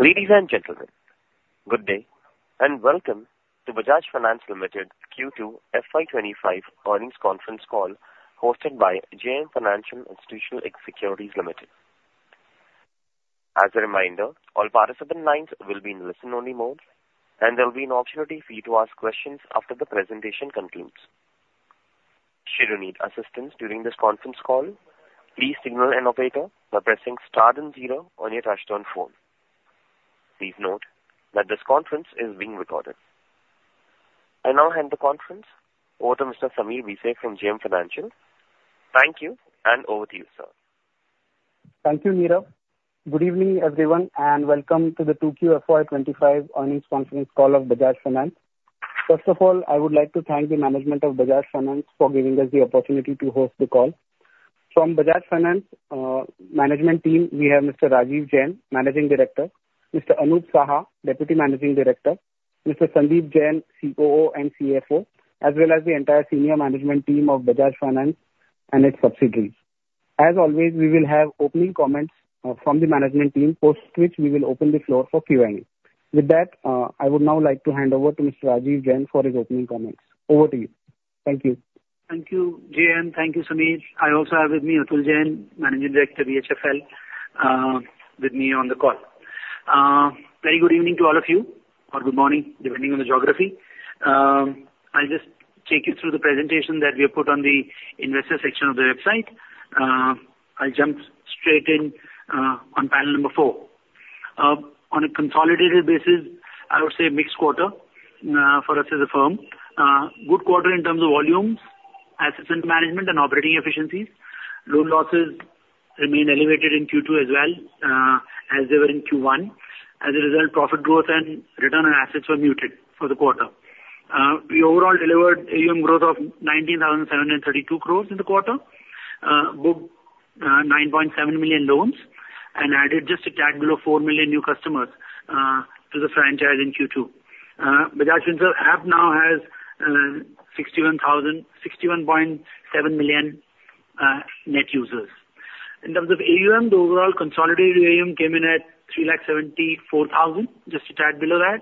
Ladies and gentlemen, good day, and welcome to Bajaj Finance Limited Q2 FY25 earnings conference call, hosted by JM Financial Institutional Securities Limited. As a reminder, all participant lines will be in listen-only mode, and there will be an opportunity for you to ask questions after the presentation concludes. Should you need assistance during this conference call, please signal an operator by pressing star then zero on your touchtone phone. Please note that this conference is being recorded. I now hand the conference over to Mr. Sameer Bhise from JM Financial. Thank you, and over to you, sir. Thank you, Neeraj. Good evening, everyone, and welcome to the 2Q FY25 earnings conference call of Bajaj Finance. First of all, I would like to thank the management of Bajaj Finance for giving us the opportunity to host the call. From Bajaj Finance management team, we have Mr. Rajeev Jain, Managing Director, Mr. Anup Saha, Deputy Managing Director, Mr. Sandeep Jain, COO and CFO, as well as the entire senior management team of Bajaj Finance and its subsidiaries. As always, we will have opening comments from the management team, post which we will open the floor for Q&A. With that, I would now like to hand over to Mr. Rajeev Jain for his opening comments. Over to you. Thank you. Thank you, JM. Thank you, Sameer. I also have with me Atul Jain, Managing Director, BHFL, with me on the call. Very good evening to all of you, or good morning, depending on the geography. I'll just take you through the presentation that we have put on the investor section of the website. I'll jump straight in, on panel number four. On a consolidated basis, I would say mixed quarter, for us as a firm. Good quarter in terms of volumes, asset management and operating efficiencies. Loan losses remain elevated in Q2 as well, as they were in Q1. As a result, profit growth and return on assets were muted for the quarter. We overall delivered AUM growth of 19,732 crores in the quarter. Booked 9.7 million loans and added just a tad below 4 million new customers to the franchise in Q2. Bajaj Finance app now has 61.7 million net users. In terms of AUM, the overall consolidated AUM came in at three lakh seventy-four thousand, just a tad below that.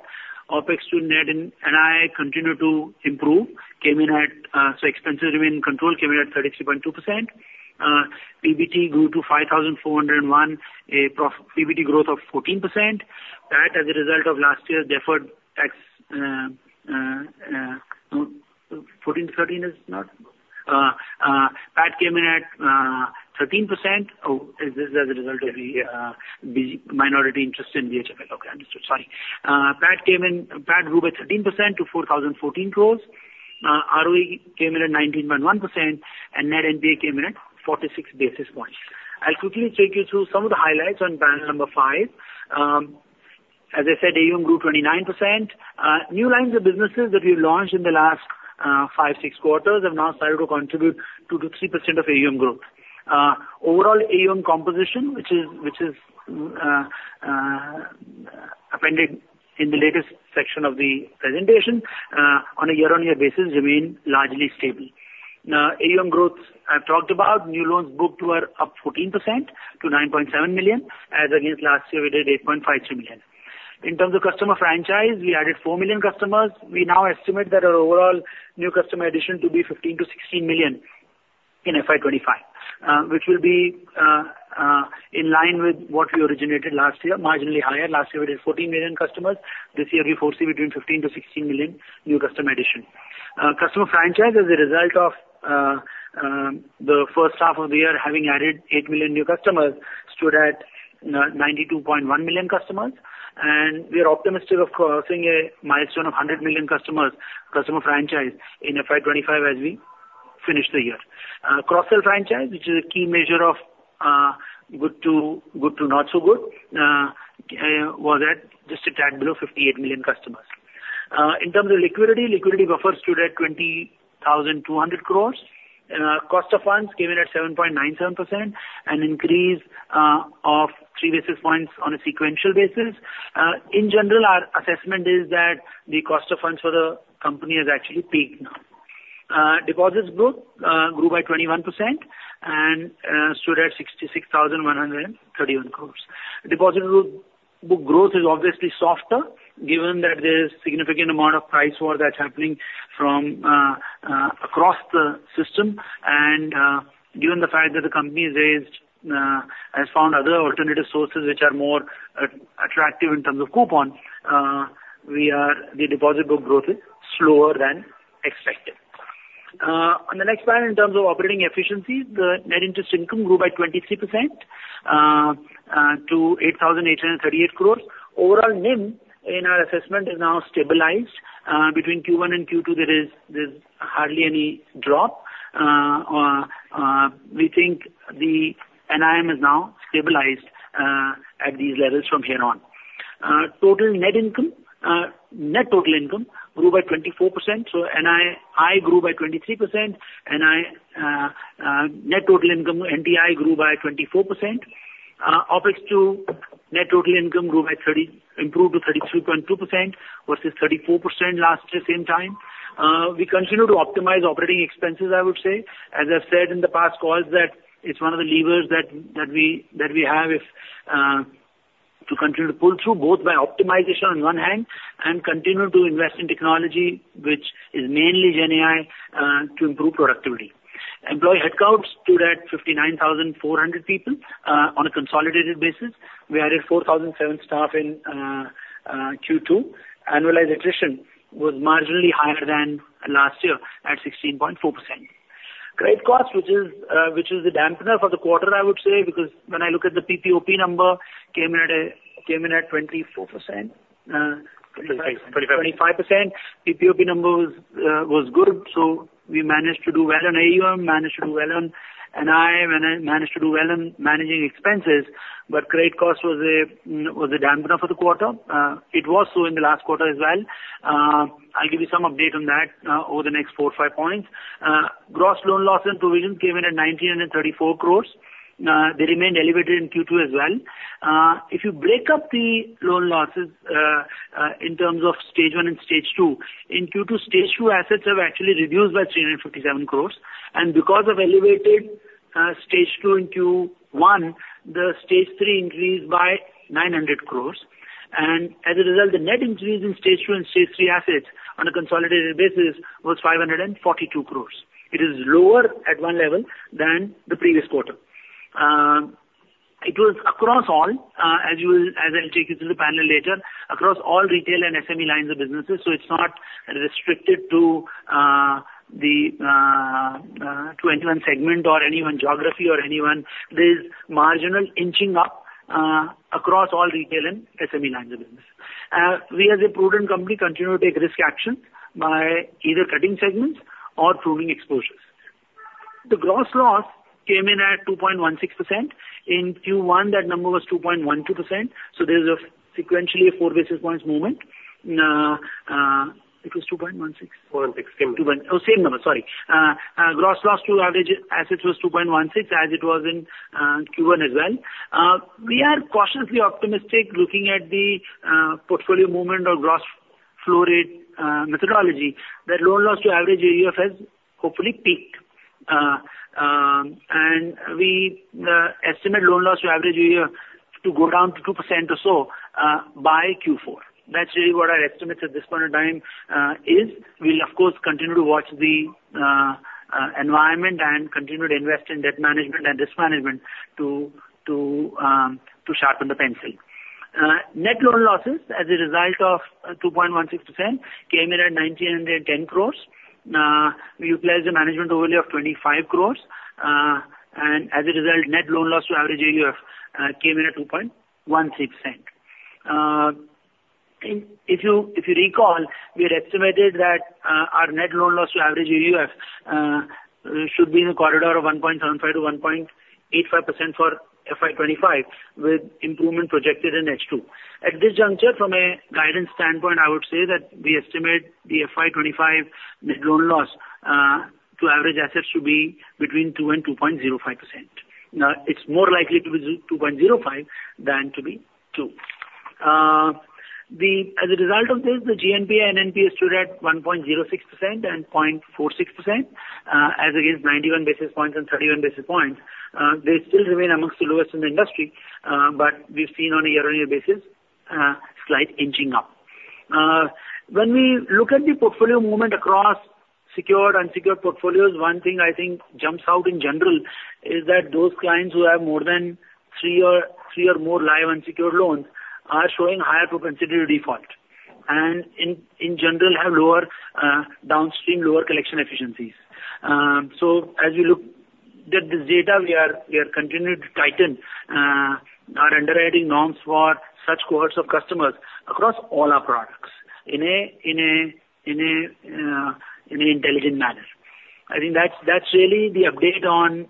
OPEX to net and NII continued to improve, came in at, so expenses remain controlled, came in at 36.2%. PBT grew to 5,401, PBT growth of 14%. That as a result of last year's deferred tax, fourteen thirteen is not? PAT came in at 13%. Oh, this is as a result of the the minority interest in BHFL. Okay, understood. Sorry. PAT grew by 13% to 4,014 crores. ROE came in at 19.1% and net NPA came in at 46 basis points. I'll quickly take you through some of the highlights on panel number 5. As I said, AUM grew 29%. New lines of businesses that we've launched in the last five, six quarters have now started to contribute 2% to 3% of AUM growth. Overall AUM composition, which is appended in the latest section of the presentation, on a year-on-year basis, remains largely stable. Now, AUM growth, I've talked about. New loans booked were up 14% to 9.7 million, as against last year we did 8.53 million. In terms of customer franchise, we added 4 million customers. We now estimate that our overall new customer addition to be 15 to 16 million in FY 2025, which will be in line with what we originated last year, marginally higher. Last year, we did 14 million customers. This year, we foresee between 15 to 16 million new customer addition. Customer franchise, as a result of the first half of the year, having added 8 million new customers, stood at 92.1 million customers, and we are optimistic of crossing a milestone of 100 million customers, customer franchise, in FY 2025 as we finish the year. Cross-sell franchise, which is a key measure of good to not so good, was at just a tad below 58 million customers. In terms of liquidity, liquidity buffers stood at 20,200 crores. Cost of funds came in at 7.97%, an increase of three basis points on a sequential basis. In general, our assessment is that the cost of funds for the company has actually peaked now. Deposits growth grew by 21% and stood at 66,131 crores. Deposit book growth is obviously softer, given that there's significant amount of price war that's happening from across the system. Given the fact that the company has found other alternative sources which are more attractive in terms of coupon, the deposit book growth is slower than expected. On the next slide, in terms of operating efficiency, the net interest income grew by 23% to 8,838 crores. Overall, NIM in our assessment is now stabilized. Between Q1 and Q2, there's hardly any drop. We think the NIM is now stabilized at these levels from here on. Net total income grew by 24%, so NII grew by 23%, NTI grew by 24%. Opex to net total income improved to 33.2% versus 34% last year same time. We continue to optimize operating expenses, I would say. As I've said in the past calls, that it's one of the levers that we have to continue to pull through, both by optimization on one hand, and continue to invest in technology, which is mainly GenAI, to improve productivity. Employee headcounts stood at 59,400 people on a consolidated basis. We added 4,700 staff in Q2. Annualized attrition was marginally higher than last year, at 16.4%. Opex, which is the dampener for the quarter, I would say, because when I look at the PPOP number, came in at 24%. Twenty-five. 25%. PPOP number was good, so we managed to do well on AUM, managed to do well on NII, and managed to do well on managing expenses, but credit cost was a dampener for the quarter. It was so in the last quarter as well. I'll give you some update on that over the next four or five points. Gross loan loss and provision came in at 1,934 crores. They remained elevated in Q2 as well. If you break up the loan losses in terms of Stage One and Stage Two, in Q2, Stage Two assets have actually reduced by 357 crores, and because of elevated Stage Two in Q1, the Stage Three increased by 900 crores, and as a result, the net increase in Stage Two and Stage Three assets on a consolidated basis was 542 crores. It is lower at one level than the previous quarter. It was across all, as I'll take you through the panel later, across all retail and SME lines of businesses, so it's not restricted to any one segment or any one geography or any one. There's marginal inching up across all retail and SME lines of business. We as a prudent company continue to take risk action by either cutting segments or proving exposures. The gross loss came in at 2.16%. In Q1, that number was 2.12%, so there's a sequentially a four basis points movement. It was 2.16%? Four one six. Oh, same number. Sorry. Gross loss to average assets was 2.16, as it was in Q1 as well. We are cautiously optimistic, looking at the portfolio movement or gross flow rate methodology, that loan loss to average AUF has hopefully peaked, and we estimate loan loss to average AUF to go down to 2% or so by Q4. That's really what our estimates at this point in time is. We'll of course continue to watch the environment and continue to invest in debt management and risk management to sharpen the pencil. Net loan losses, as a result of 2.16%, came in at 1,910 crores. We utilized a management overlay of 25 crores, and as a result, net loan loss to average AUF came in at 2.16%. If you recall, we had estimated that our net loan loss to average AUF should be in the corridor of 1.75% to 1.85% for FY 2025, with improvement projected in H2. At this juncture, from a guidance standpoint, I would say that we estimate the FY 2025 net loan loss to average assets to be between 2% and 2.05%. Now, it's more likely to be 2.05% than to be 2%. As a result of this, the GNPA and NPA stood at 1.06% and 0.46%, as against 91 basis points and 31 basis points. They still remain among the lowest in the industry, but we've seen on a year-on-year basis, slight inching up. When we look at the portfolio movement across secured, unsecured portfolios, one thing I think jumps out in general is that those clients who have more than three or more live unsecured loans are showing higher propensity to default, and in general, have lower downstream, lower collection efficiencies. So as you look at this data, we are continuing to tighten our underwriting norms for such cohorts of customers across all our products in an intelligent manner. I think that's really the update on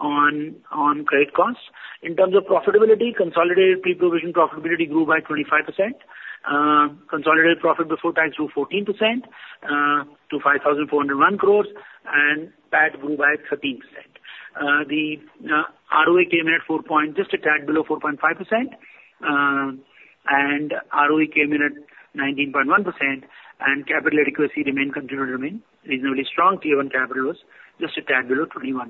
credit costs. In terms of profitability, consolidated pre-provision profitability grew by 25%. Consolidated profit before tax grew 14% to 5,401 crores, and PAT grew by 13%. The ROA came in at 4% just a tad below 4.5%, and ROE came in at 19.1%, and capital adequacy remain, continue to remain reasonably strong. Tier 1 capital was just a tad below 21%.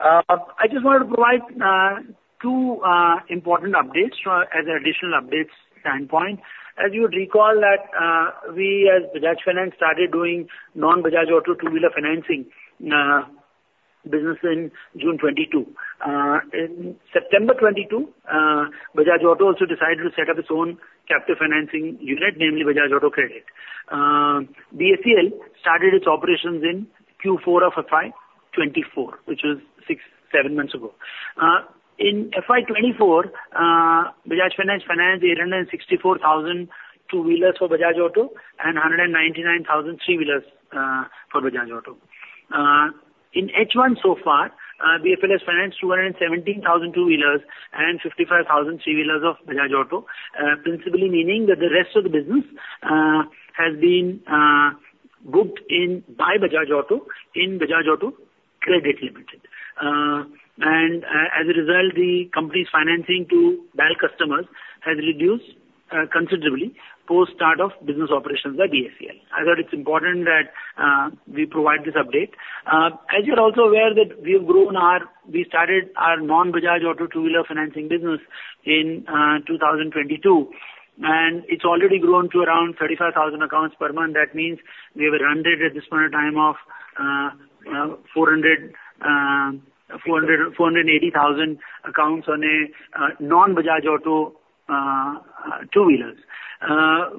I just want to provide two important updates for as an additional updates standpoint. As you would recall that, we as Bajaj Finance started doing non-Bajaj Auto two-wheeler financing business in June 2022. In September 2022, Bajaj Auto also decided to set up its own captive financing unit, namely Bajaj Auto Credit. BACL started its operations in Q4 of FY twenty-four, which was six, seven months ago. In FY twenty-four, Bajaj Finance financed eight hundred and sixty-four thousand two-wheelers for Bajaj Auto and hundred and ninety-nine thousand three-wheelers for Bajaj Auto. In H1 so far, BFL has financed two hundred and seventeen thousand two-wheelers and fifty-five thousand three-wheelers of Bajaj Auto, principally meaning that the rest of the business has been booked in by Bajaj Auto in Bajaj Auto Credit Limited. And, as a result, the company's financing to bank customers has reduced considerably post start of business operations by BFL. I thought it's important that we provide this update. As you're also aware, we started our non-Bajaj Auto two-wheeler financing business in 2022, and it's already grown to around 35,000 accounts per month. That means we have rounded at this point in time of 480,000 accounts on a non-Bajaj Auto two-wheelers.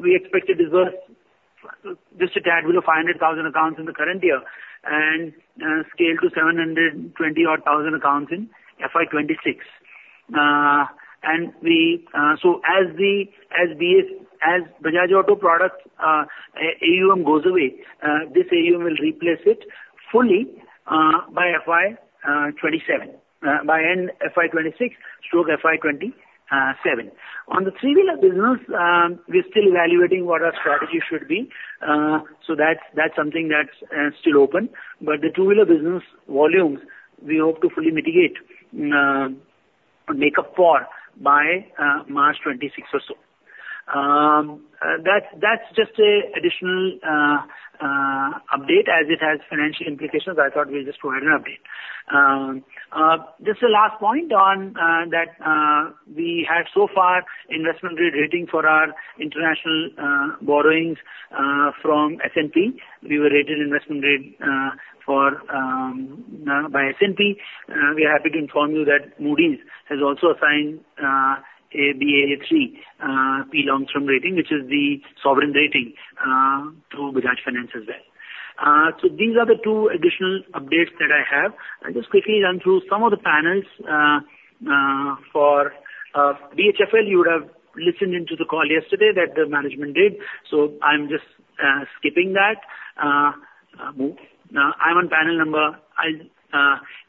We expect to disburse just a tad with 500,000 accounts in the current year and scale to 720,000-odd accounts in FY 2026. And so as the, as BA, as Bajaj Auto products AUM goes away, this AUM will replace it fully by FY 2027, by end FY 2026 through to FY 2027. On the three-wheeler business, we're still evaluating what our strategy should be, so that's something that's still open. But the two-wheeler business volumes, we hope to fully mitigate, make up for by March 2026 or so. That's just an additional update. As it has financial implications, I thought we just provide an update. Just the last point on that, we have so far investment grade rating for our international borrowings from S&P. We were rated investment grade for by S&P. We are happy to inform you that Moody's has also assigned a Baa3 long-term rating, which is the sovereign rating, to Bajaj Finance as well. So these are the two additional updates that I have. I'll just quickly run through some of the panels for BHFL. You would have listened into the call yesterday that the management did, so I'm just skipping that. I'm on panel number.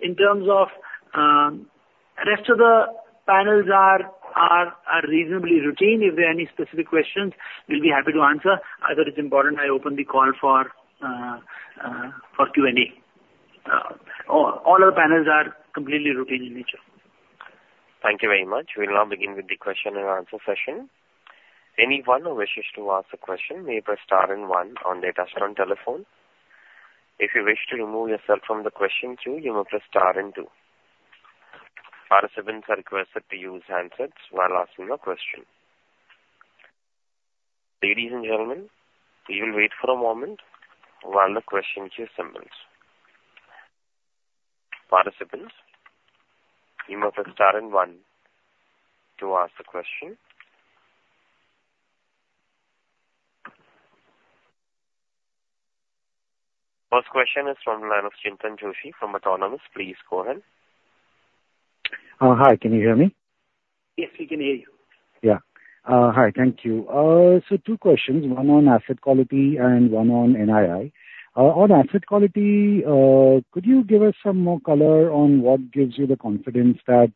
In terms of rest of the panels are reasonably routine. If there are any specific questions, we'll be happy to answer. I thought it's important I open the call for Q&A. All our panels are completely routine in nature. Thank you very much. We'll now begin with the question and answer session. Anyone who wishes to ask a question may press star and one on their touchtone telephone. If you wish to remove yourself from the queue, you may press star and two. Participants are requested to use handsets while asking your question. Ladies and gentlemen, we will wait for a moment while the questions are assembled. Participants, you may press star and one to ask the question. First question is from the line of Chintan Joshi from Autonomous. Please go ahead. Hi, can you hear me? Yes, we can hear you. Yeah. Hi, thank you. So two questions, one on asset quality and one on NII. On asset quality, could you give us some more color on what gives you the confidence that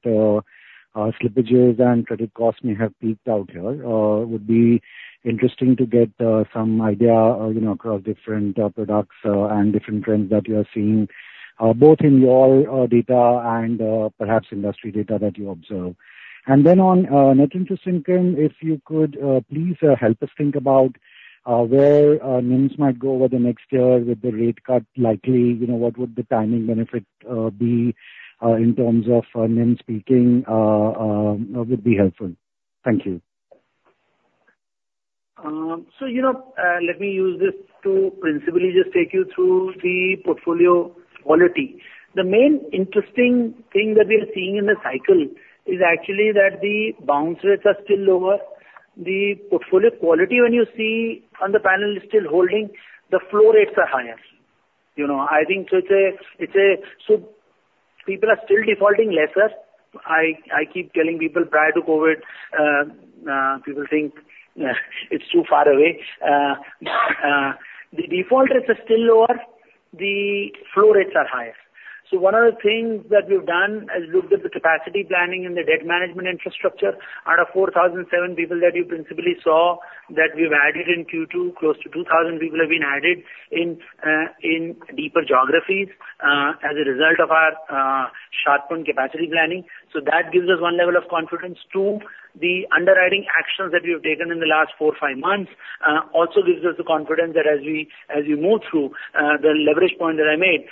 slippages and credit costs may have peaked out here? Would be interesting to get some idea, you know, across different products and different trends that you are seeing both in your data and perhaps industry data that you observe. And then on net interest income, if you could please help us think about where NIMs might go over the next year with the rate cut likely, you know, what would the timing benefit be in terms of NIMs peaking would be helpful. Thank you. So, you know, let me use this to principally just take you through the portfolio quality. The main interesting thing that we are seeing in the cycle is actually that the bounce rates are still lower. The portfolio quality, when you see on the panel, is still holding, the flow rates are higher. You know, I think so people are still defaulting lesser. I keep telling people prior to COVID, people think it's too far away. The default rates are still lower, the flow rates are higher. So one of the things that we've done is looked at the capacity planning and the debt management infrastructure. Out of four thousand seven people that you principally saw, that we've added in Q2, close to two thousand people have been added in deeper geographies as a result of our sharpened capacity planning. So that gives us one level of confidence. Two, the underwriting actions that we've taken in the last four, five months also gives us the confidence that as we move through the leverage point that I made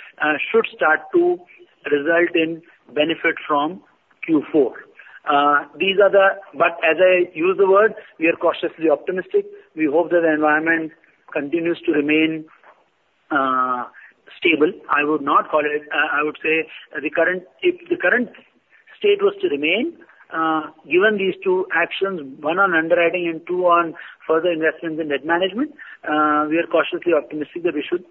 should start to result in benefit from Q4. But as I use the word, we are cautiously optimistic. We hope that the environment continues to remain stable. I would not call it. I would say the current, if the current state was to remain, given these two actions, one on underwriting and two on further investments in debt management, we are cautiously optimistic that we should.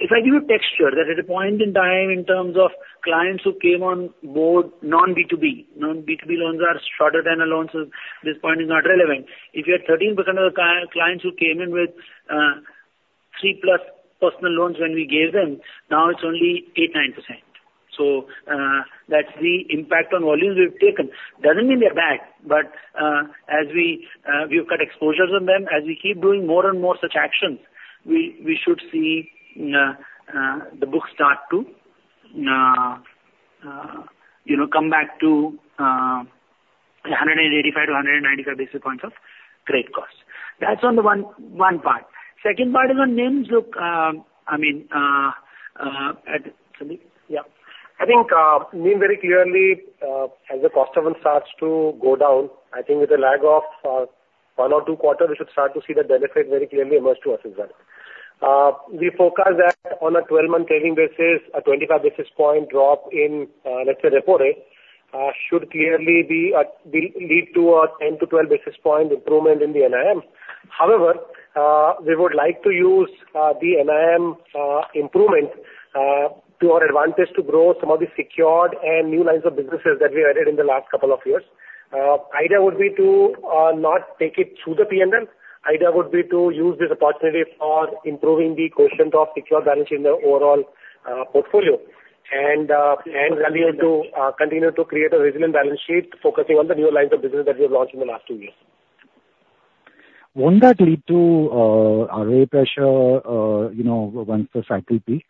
If I give you a texture that at a point in time, in terms of clients who came on board, non B2B, non B2B loans are shorter than our loans, so this point is not relevant. If you had 13% of the clients who came in with three-plus personal loans when we gave them, now it's only 8-9%. So, that's the impact on volumes we've taken. Doesn't mean they're bad, but as we've cut exposures on them, as we keep doing more and more such actions, we should see the books start to, you know, come back to a hundred and eighty-five to hundred and ninety-five basis points of credit cost. That's on the one part. Second part is on NIMs. Look, I mean at yeah. I think, NIM very clearly, as the cost of funds starts to go down, I think with a lag of, one or two quarters, we should start to see the benefit very clearly emerge to us as well. We forecast that on a twelve-month changing basis, a twenty-five basis point drop in, let's say, repo rate, should clearly will lead to a ten to twelve basis point improvement in the NIM. However, we would like to use, the NIM, improvement, to our advantage to grow some of the secured and new lines of businesses that we added in the last couple of years. Idea would be to, not take it through the P&L. Idea would be to use this opportunity for improving the quotient of secured balance in the overall portfolio, and continue to create a resilient balance sheet, focusing on the newer lines of business that we have launched in the last two years. Won't that lead to a rate pressure, you know, once the cycle peaks?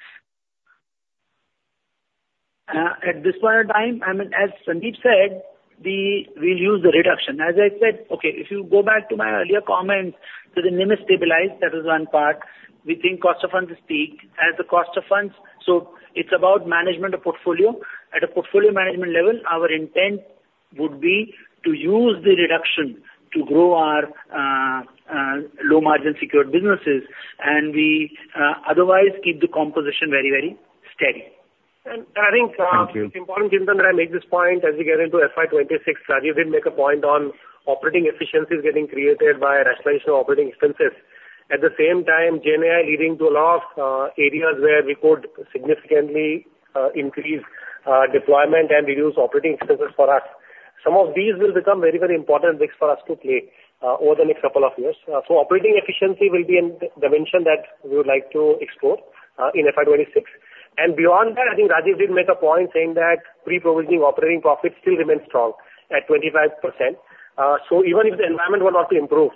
At this point in time, I mean, as Sandeep said, we'll use the reduction. As I said, okay, if you go back to my earlier comments, so the NIM is stabilized, that is one part. We think cost of funds is peak. As the cost of funds, so it's about management of portfolio. At a portfolio management level, our intent would be to use the reduction to grow our low-margin secured businesses, and we otherwise keep the composition very, very steady. And I think, Thank you. It's important, Chintan, that I make this point as we get into FY twenty-six. Rajeev did make a point on operating efficiencies getting created by rationalization of operating expenses. At the same time, GenAI leading to a lot of areas where we could significantly increase deployment and reduce operating expenses for us. Some of these will become very, very important risks for us to play over the next couple of years. So operating efficiency will be a dimension that we would like to explore in FY twenty-six. And beyond that, I think Rajeev did make a point saying that pre-provision operating profit still remains strong at 25%. So even if the environment were not to improve,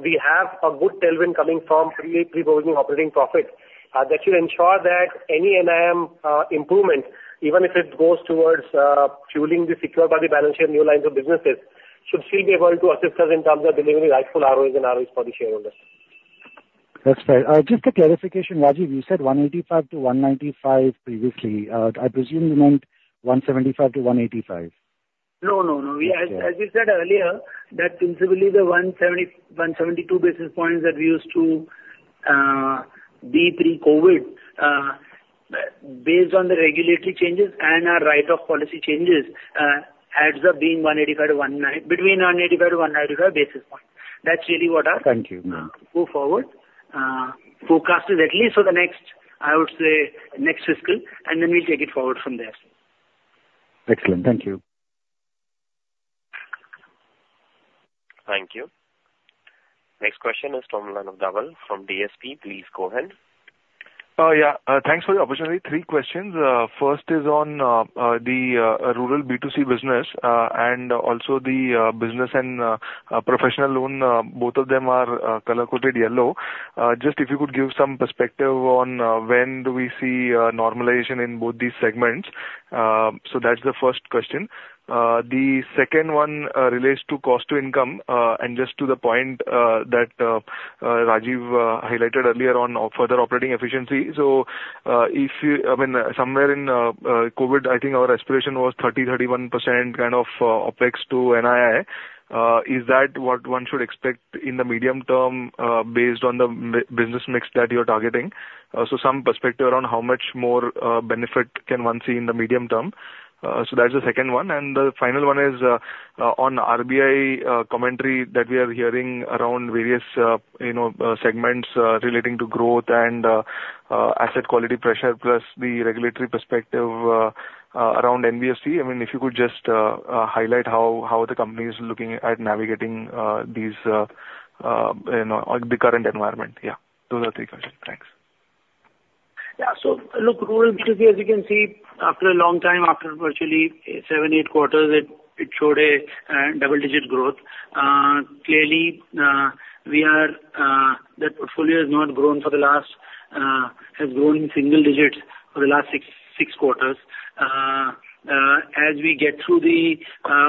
we have a good tailwind coming from pre-provisioning operating profits that should ensure that any NIM improvement, even if it goes towards fueling the secured by the balance sheet new lines of businesses, should still be able to assist us in terms of delivering the rightful ROEs for the shareholders. That's fair. Just a clarification, Rajeev, you said 185 to 195 previously. I presume you meant 175 to 185? No, no, no. Okay. As we said earlier, that principally the 170-172 basis points that we used to be pre-COVID, based on the regulatory changes and our write-off policy changes, adds up being between 185-195 basis points. That's really what our- Thank you. Go forward, forecast is at least for the next, I would say, next fiscal, and then we'll take it forward from there. Excellent. Thank you. Thank you. Next question is from Dhaval Gada from DSP. Please go ahead. Yeah, thanks for the opportunity. Three questions. First is on the Rural B2C business and also the business and professional loan. Both of them are color-coded yellow. Just if you could give some perspective on when do we see normalization in both these segments? That's the first question. The second one relates to cost to income and just to the point that Rajeev highlighted earlier on further operating efficiency. If you, I mean, somewhere in COVID, I think our aspiration was 30% to 31% kind of OpEx to NII. Is that what one should expect in the medium term based on the business mix that you're targeting? So some perspective around how much more benefit can one see in the medium term. So that's the second one. And the final one is on RBI commentary that we are hearing around various, you know, segments relating to growth and asset quality pressure, plus the regulatory perspective around NBFC. I mean, if you could just highlight how the company is looking at navigating these, you know, on the current environment. Yeah, those are three questions. Thanks. Yeah. So look, Rural B2C, as you can see, after a long time, after virtually seven, eight quarters, it showed a double-digit growth. Clearly, we are, that portfolio has not grown for the last, has grown in single digits for the last six quarters. As we get through the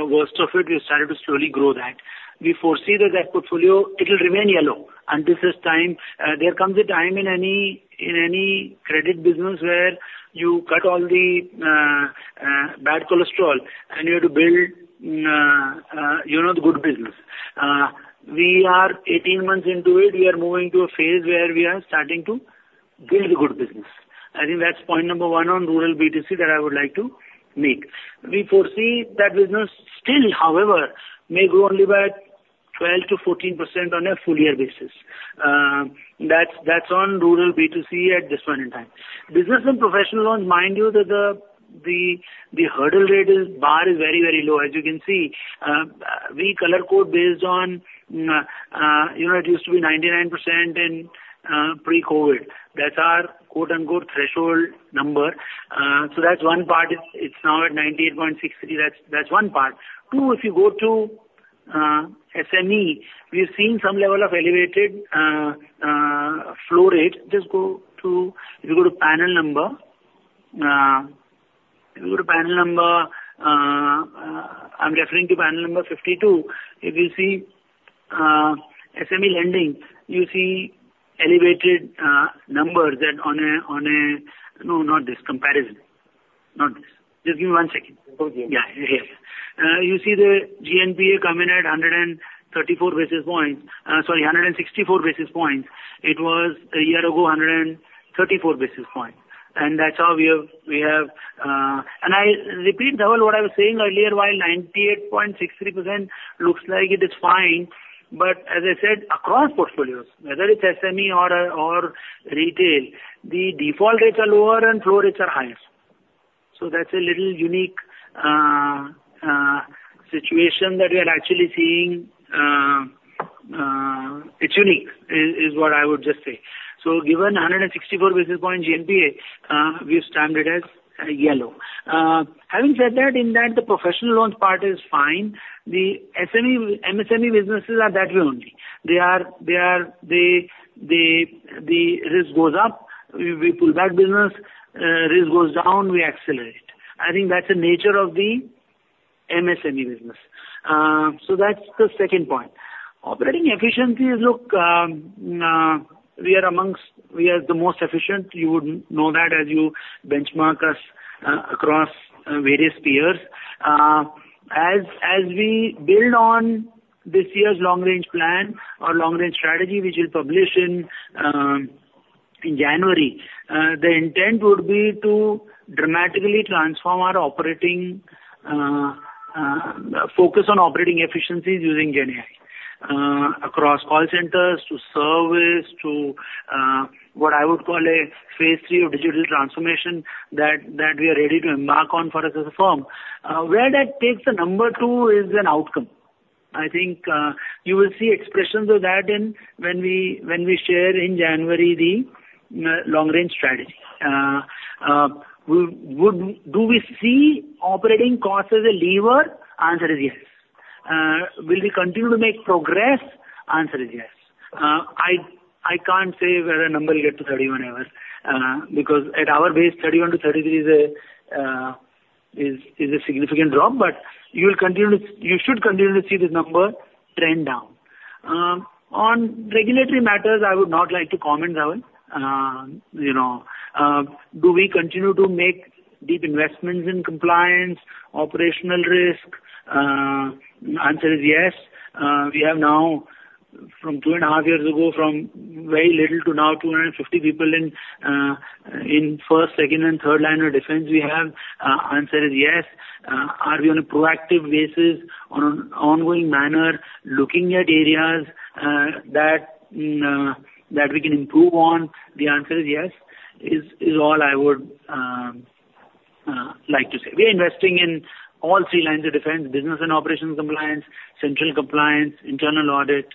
worst of it, we've started to slowly grow that. We foresee that that portfolio, it'll remain yellow, and this is time. There comes a time in any credit business where you cut all the bad cholesterol, and you have to build, you know, the good business. We are 18 months into it. We are moving to a phase where we are starting to build the good business. I think that's point number one on Rural B2C that I would like to make. We foresee that business still, however, may grow only by 12-14% on a full year basis. That's on Rural B2C at this point in time. Business and professional loan, mind you, that the hurdle rate is, bar is very, very low. As you can see, we color code based on, you know, it used to be 99% in pre-COVID. That's our, quote, unquote, "threshold number." So that's one part. It's now at 98.63. That's one part. Two, if you go to SME, we've seen some level of elevated flow rate. Just go to, if you go to panel number, I'm referring to panel number 52, you will see SME lending. You see elevated numbers that on, No, not this comparison. Not this. Just give me one second. Okay. Yeah, here. You see the GNPA come in at 134 basis points, sorry, 164 basis points. It was a year ago, 134 basis points. And that's how we have. And I repeat, Dhaval, what I was saying earlier, while 98.63% looks like it is fine, but as I said, across portfolios, whether it's SME or retail, the default rates are lower and flow rates are highest. So that's a little unique situation that we are actually seeing. It's unique, is what I would just say. So given 164 basis point GNPA, we've stamped it as yellow. Having said that, in that the professional loans part is fine. The SME, MSME businesses are that way only. The risk goes up, we pull back business, risk goes down, we accelerate. I think that's the nature of the MSME business. So that's the second point. Operating efficiencies, look, we are amongst the most efficient. You would know that as you benchmark us across various peers. As we build on this year's long-range plan or long-range strategy, which is published in January, the intent would be to dramatically transform our operating focus on operating efficiencies using GenAI across call centers to service what I would call a phase three of digital transformation that we are ready to embark on for us as a firm. Where that takes a number two is an outcome. I think you will see expressions of that in when we, when we share in January the long-range strategy. Would do we see operating costs as a lever? Answer is yes. Will we continue to make progress? Answer is yes. I can't say whether a number will get to 31 ever, because at our base, 31-33 is a significant drop, but you will continue, you should continue to see the number trend down. On regulatory matters, I would not like to comment, Dhaval. You know, do we continue to make deep investments in compliance, operational risk? Answer is yes. We have now, from two and a half years ago, from very little to now, two hundred and fifty people in first, second, and third line of defense we have. Answer is yes. Are we on a proactive basis, on an ongoing manner, looking at areas that we can improve on? The answer is yes. Is all I would like to say. We are investing in all three lines of defense: business and operations compliance, central compliance, internal audit.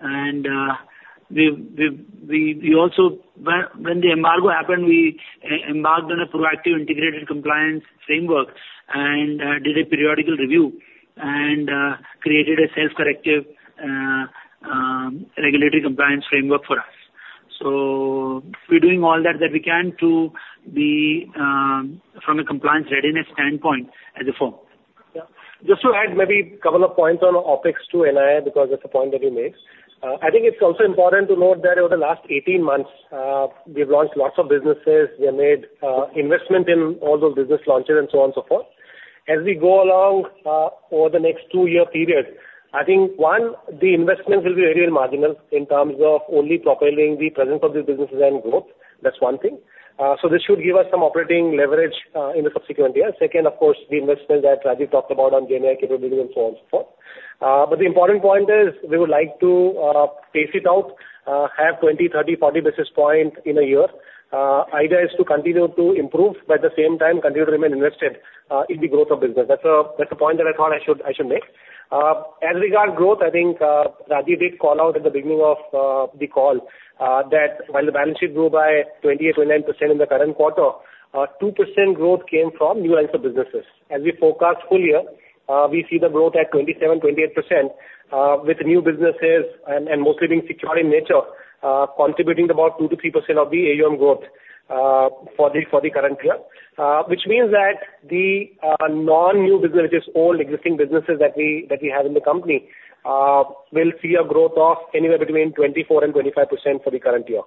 And we also, when the embargo happened, we embarked on a proactive integrated compliance framework and did a periodic review and created a self-corrective regulatory compliance framework for us. So we're doing all that we can to be from a compliance readiness standpoint as a firm. Yeah. Just to add maybe a couple of points on OpEx to NIR, because that's a point that he made. I think it's also important to note that over the last 18 months, we've launched lots of businesses. We have made, investment in all those business launches and so on and so forth. As we go along, over the next two-year period, I think, one, the investments will be very marginal in terms of only propelling the presence of these businesses and growth. That's one thing. So this should give us some operating leverage, in the subsequent years. Second, of course, the investments that Rajeev talked about on GenAI capabilities and so on and so forth. But the important point is, we would like to, pace it out, have 20, 30, 40 basis points in a year. Idea is to continue to improve, but at the same time, continue to remain invested in the growth of business. That's a point that I thought I should make. As regard growth, I think Rajeev did call out at the beginning of the call that while the balance sheet grew by 28-29% in the current quarter, 2% growth came from new lines of businesses. As we forecast full year, we see the growth at 27-28%, with new businesses and mostly being secure in nature, contributing about 2-3% of the AUM growth for the current year. Which means that the non-new business, which is old existing businesses that we have in the company, will see a growth of anywhere between 24%-25% for the current year.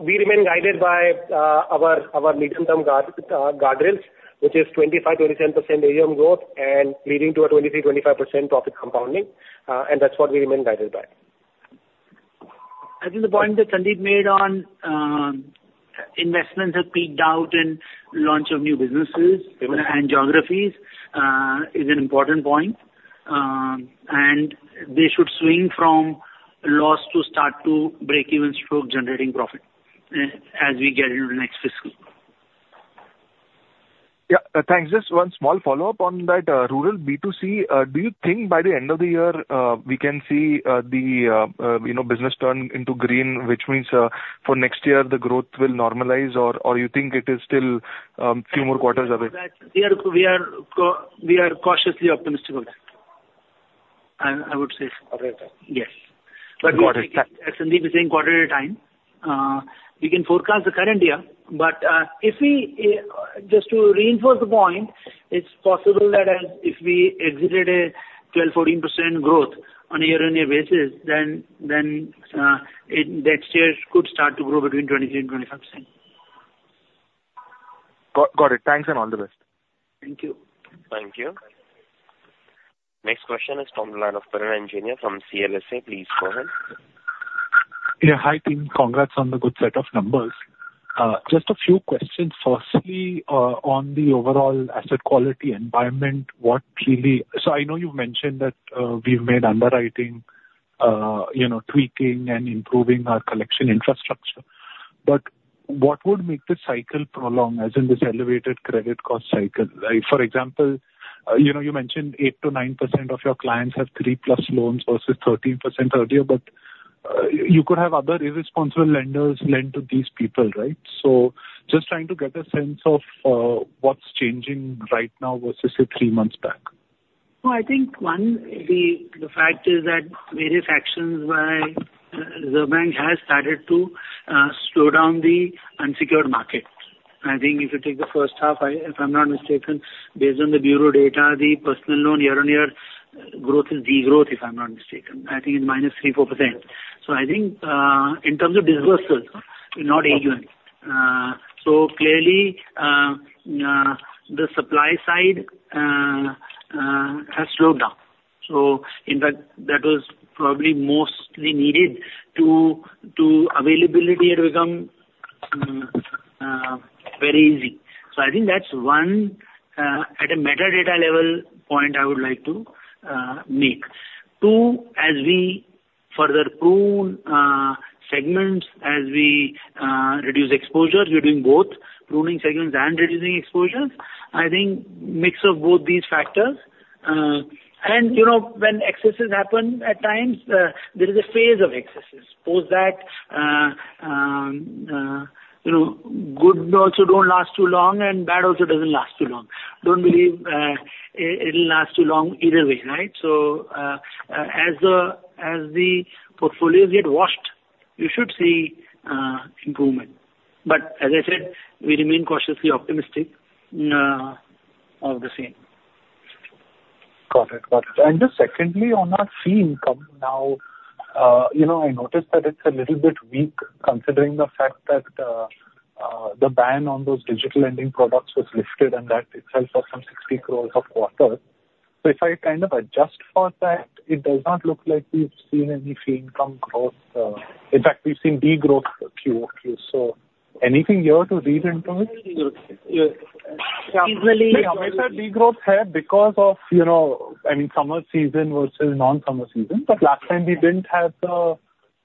We remain guided by our medium-term guardrails, which is 25%-27% AUM growth and leading to a 23%-25% profit compounding, and that's what we remain guided by. I think the point that Sandeep made on investments have peaked out in launch of new businesses Yeah. And geographies, is an important point. And they should swing from loss to start to breakeven to generating profit, as we get into the next fiscal. Yeah, thanks. Just one small follow-up on that, Rural B2C. Do you think by the end of the year, we can see the you know, business turn into green, which means, for next year, the growth will normalize? Or you think it is still few more quarters away? That we are cautiously optimistic about it. I would say so. Got it. Yes. Got it. As Sandeep is saying, quarter at a time. We can forecast the current year, but if we just to reinforce the point, it's possible that as if we exited a 12-14% growth on a year-on-year basis, then next year could start to grow between 23% and 25%. Got it. Thanks, and all the best. Thank you. Thank you. Next question is from the line of Piran Engineer from CLSA. Please go ahead. Yeah, hi, team. Congrats on the good set of numbers. Just a few questions. Firstly, on the overall asset quality environment, what really, So I know you've mentioned that, we've made underwriting, you know, tweaking and improving our collection infrastructure. But what would make the cycle prolong, as in this elevated credit cost cycle? Like, for example, you know, you mentioned 8% to 9% of your clients have three plus loans versus 13% earlier, but, you could have other irresponsible lenders lend to these people, right? So just trying to get a sense of, what's changing right now versus, say, three months back. I think, one, the fact is that various actions by the bank has started to slow down the unsecured market. I think if you take the first half, if I'm not mistaken, based on the bureau data, the personal loan year-on-year growth is degrowth, if I'm not mistaken. I think it's minus 3% to 4%. So I think, in terms of disbursements, we're not seeing. So clearly, the supply side has slowed down. So in fact, that was probably mostly needed, too. Availability had become very easy. So I think that's one, at a macro level, point I would like to make. Two, as we further prune segments, as we reduce exposure, we're doing both, pruning segments and reducing exposure. I think mix of both these factors. You know, when excesses happen at times, there is a phase of excesses. Post that, you know, good also don't last too long, and bad also doesn't last too long. Don't believe it. It'll last too long either way, right? So, as the portfolios get washed, you should see improvement. But as I said, we remain cautiously optimistic of the same. Got it. Got it. And just secondly, on our fee income now, you know, I noticed that it's a little bit weak, considering the fact that the ban on those digital lending products was lifted, and that itself was some 60 crores of quarter. So if I kind of adjust for that, it does not look like we've seen any fee income growth. In fact, we've seen degrowth QOQ. So anything here to read into it? Yeah. Usually. Yeah, major degrowth here because of, you know, I mean, summer season versus non-summer season. But last time we didn't have the,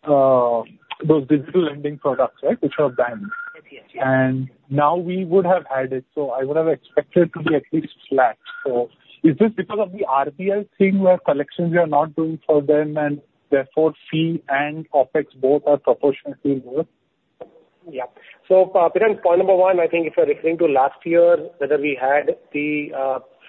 those digital lending products, right? Which were banned. Yes, yes, yeah. And now we would have had it, so I would have expected to be at least flat. So is this because of the RBL thing, where collections we are not doing for them, and therefore fee and OpEx both are proportionally more? Yeah. So, Piran, point number one, I think if you're referring to last year, whether we had the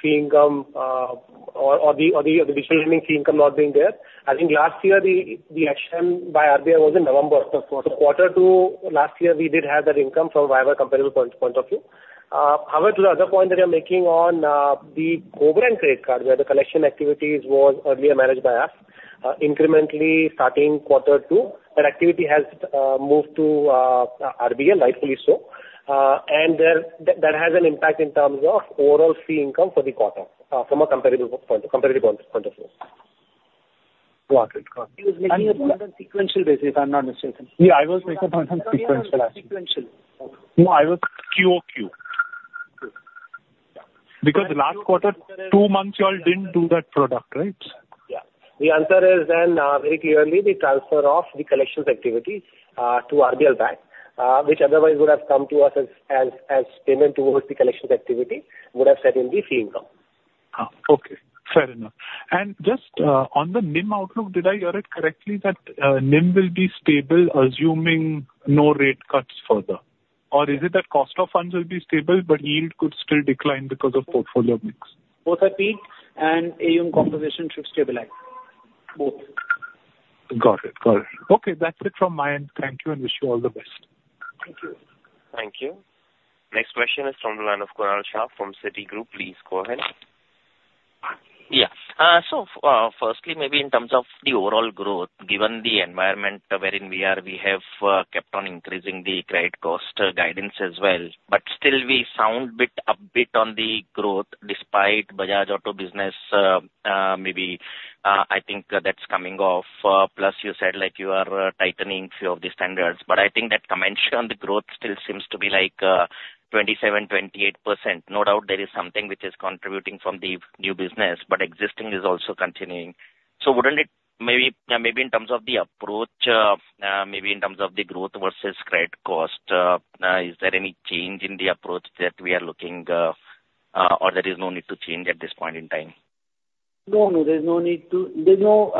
fee income, or the digital lending fee income not being there, I think last year the action by RBL was in November of the quarter. Quarter to last year, we did have that income from a viable comparable point of view. However, to the other point that you're making on the co-branded credit card, where the collection activities was earlier managed by us, incrementally starting quarter two, that activity has moved to RBL, rightfully so. And there, that has an impact in terms of overall fee income for the quarter, from a comparable point, comparative point of view. Got it. Got it. He was making a point on sequential basis, if I'm not mistaken. Yeah, I was making a point on sequential. Sequential. No, I was QOQ. Good. Yeah. Because last quarter, two months, you all didn't do that product, right? Yeah. The answer is then, very clearly the transfer of the collections activity to RBL Bank, which otherwise would have come to us as payment towards the collections activity, would have sat in the fee income. Ah, okay. Fair enough. And just on the NIM outlook, did I hear it correctly that NIM will be stable, assuming no rate cuts further? Or is it that cost of funds will be stable, but yield could still decline because of portfolio mix? Both are peaking and AUM composition should stabilize. Both. Got it. Got it. Okay, that's it from my end. Thank you, and wish you all the best. Thank you. Thank you. Next question is from the line of Kunal Shah from Citigroup. Please go ahead. Yeah. So, firstly, maybe in terms of the overall growth, given the environment wherein we are, we have kept on increasing the credit cost guidance as well. But still we sound a bit on the growth despite Bajaj Auto business. I think that's coming off. Plus, you said like you are tightening few of the standards, but I think that compression on the growth still seems to be like 27% to 28%. No doubt there is something which is contributing from the new business, but existing is also continuing. So wouldn't it maybe in terms of the approach, maybe in terms of the growth versus credit cost, is there any change in the approach that we are looking, or there is no need to change at this point in time? No, no, there's no need to. There's no,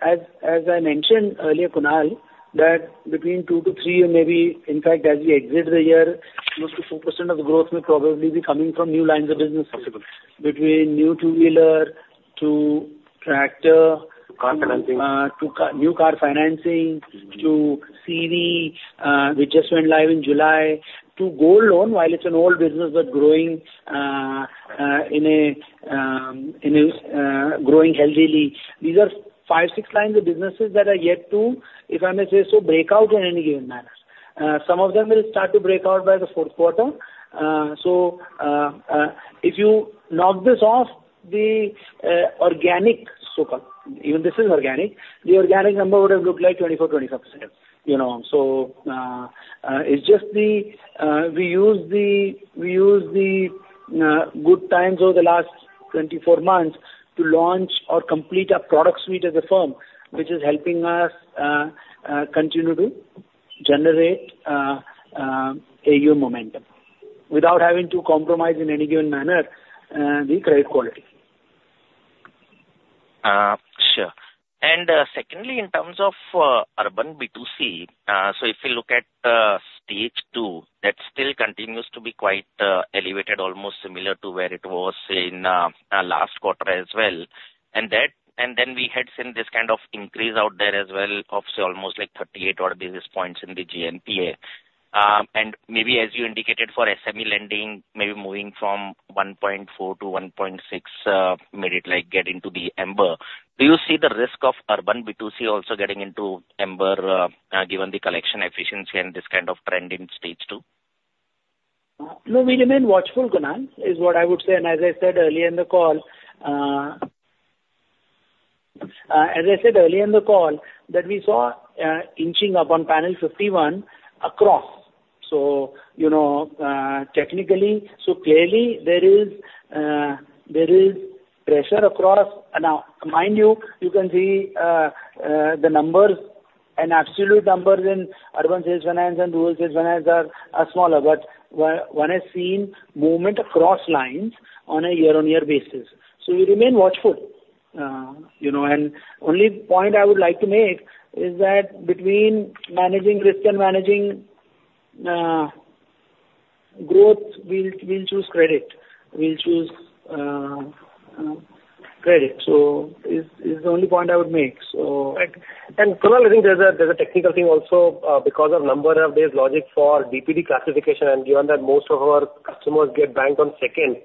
as I mentioned earlier, Kunal, that between two to three years maybe, in fact, as we exit the year, close to 4% of the growth may probably be coming from new lines of business possibly, between new two-wheeler to tractor to Car financing. To new car financing, to CV, which just went live in July, to gold loan, while it's an old business but growing healthily. These are five, six lines of businesses that are yet to, if I may say so, break out in any given manner. Some of them will start to break out by the fourth quarter, so if you knock this off, the organic so-called, even this is organic, the organic number would have looked like 24% to 25%, you know. It's just we use the good times over the last 24 months to launch or complete our product suite as a firm, which is helping us continue to generate AUM momentum without having to compromise in any given manner, the credit quality. Sure. And secondly, in terms of urban B2C, so if you look at stage two, that still continues to be quite elevated, almost similar to where it was in last quarter as well. And that, and then we had seen this kind of increase out there as well of say, almost like thirty-eight odd basis points in the GNPA. And maybe as you indicated for SME lending, maybe moving from one point four to one point six made it like get into the amber. Do you see the risk of urban B2C also getting into amber, given the collection efficiency and this kind of trend in stage two? No, we remain watchful, Kunal, is what I would say, and as I said earlier in the call, that we saw inching up on panel 51 across. So, you know, technically, so clearly there is pressure across. And now, mind you, you can see the numbers and absolute numbers in urban sales finance and rural sales finance are smaller, but one has seen movement across lines on a year-on-year basis. So we remain watchful. You know, and only point I would like to make is that between managing risk and managing growth, we'll choose credit. We'll choose credit. So is the only point I would make, so. Right. And Kunal, I think there's a, there's a technical thing also, because of number of days logic for DPD classification, and given that most of our customers get banked on second,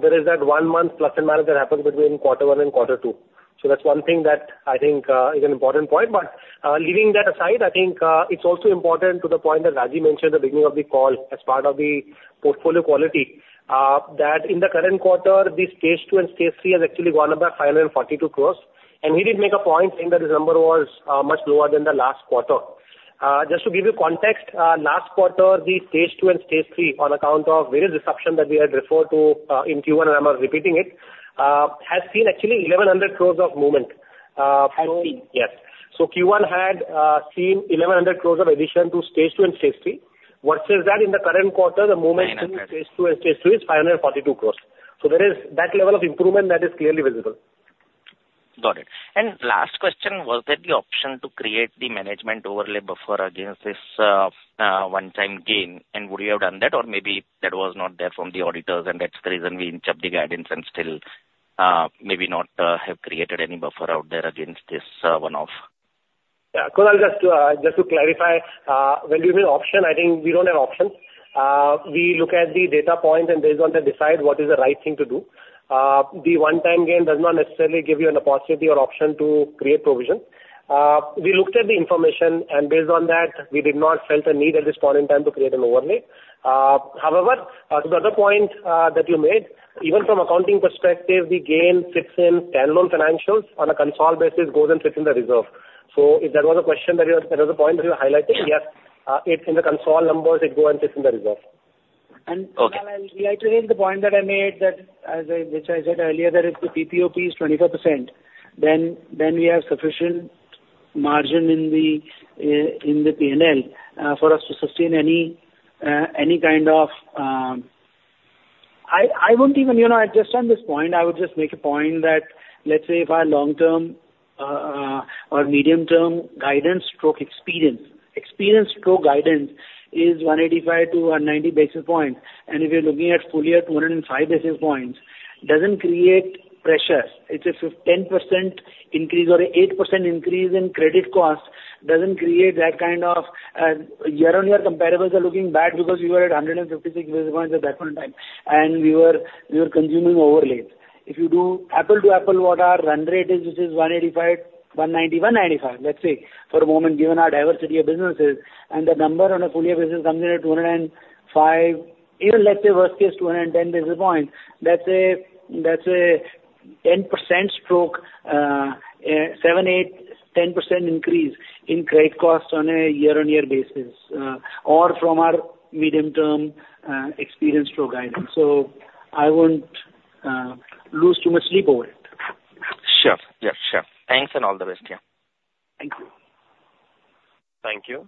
there is that one month plus and minus that happens between quarter one and quarter two. So that's one thing that I think, is an important point. But, leaving that aside, I think, it's also important to the point that Rajeev mentioned at the beginning of the call, as part of the portfolio quality, that in the current quarter, the stage two and stage three has actually gone up by 542 crores. And he did make a point saying that this number was, much lower than the last quarter. Just to give you context, last quarter, the Stage Two and Stage Three, on account of various disruptions that we had referred to in Q1, and I'm repeating it, has seen actually 1,100 crores of movement. So- Had seen. Yes. So Q1 had seen 1,100 crores of addition to Stage Two and Stage Three. Versus that, in the current quarter, the movement- Nine hundred In Stage Two and Stage Three is 542 crores. So there is that level of improvement that is clearly visible. Got it, and last question, was there the option to create the management overlay buffer against this one-time gain? And would you have done that? Or maybe that was not there from the auditors, and that's the reason we inch up the guidance and still maybe not have created any buffer out there against this one-off. Yeah. Kunal, just to clarify, when you mean option, I think we don't have options. We look at the data points, and based on that, decide what is the right thing to do. The one-time gain does not necessarily give you an opportunity or option to create provision. We looked at the information, and based on that, we did not felt a need at this point in time to create an overlay. However, to the other point that you made, even from accounting perspective, the gain sits in other non-financials on a consolidated basis goes and sits in the reserve. So if that was a question that you were... Another point that you highlighted, yes, it's in the consolidated numbers, it go and sits in the reserve. Okay. Kunal, I'd like to raise the point that I made that, as I, which I said earlier, that if the PPOP is 25%, then we have sufficient margin in the PNL for us to sustain any kind of... I won't even, you know, just on this point, I would just make a point that, let's say, if our long-term or medium-term guidance stroke experience stroke guidance is 185 to 190 basis points, and if you're looking at full year, 205 basis points, doesn't create pressure. It's a 10% increase or an 8% increase in credit costs, doesn't create that kind of year-on-year comparables are looking bad because we were at 156 basis points at that point in time, and we were consuming overlays. If you do apples to apples, what our run rate is, which is 185-195, let's say, for a moment, given our diversity of businesses, and the number on a full year basis comes in at 205, even let's say worst case, 210 basis point, that's a 10% or 7% to 10% increase in credit costs on a year-on-year basis, or from our medium-term experience or guidance. So I wouldn't lose too much sleep over it. Sure. Yes, sure. Thanks and all the best. Yeah. Thank you. Thank you.